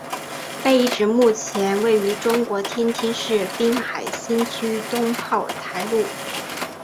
该遗址目前位于中国天津市滨海新区东炮台路。